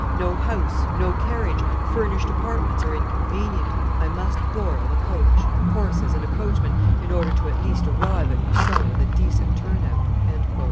No house; no carriage; furnished apartments are inconvenient; I must borrow a coach, horses, and a coachman, in order to at least arrive at Lucon with a decent turn out."